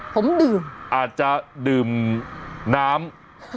ผมดื่มอาจจะดื่มน้ำ